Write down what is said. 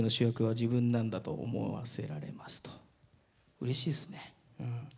うれしいですね。